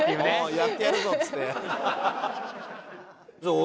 「やってやるぞ」っつって。